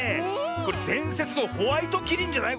これでんせつのホワイトキリンじゃない？